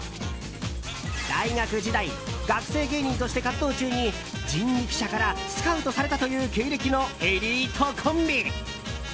大学時代学生芸人として活動中に人力舎からスカウトされたという経歴のエリートコンビ。